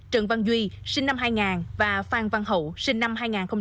trần văn duy sinh năm hai nghìn và phan văn hậu sinh năm hai nghìn